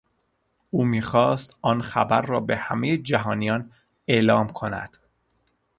او میخواست آن خبر را به همهی جهانیان اعلام کند.